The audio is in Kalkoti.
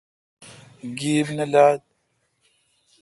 گیب نہ لات۔